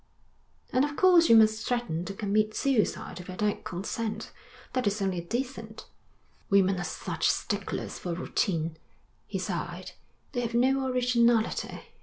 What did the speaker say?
'And of course you must threaten to commit suicide if I don't consent. That is only decent.' 'Women are such sticklers for routine,' he sighed. 'They have no originality.